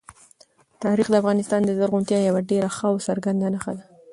تاریخ د افغانستان د زرغونتیا یوه ډېره ښه او څرګنده نښه ده.